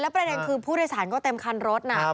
ประเด็นคือผู้โดยสารก็เต็มคันรถน่ะ